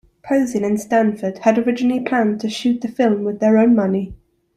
Posin and Stanford had originally planned to shoot the film with their own money.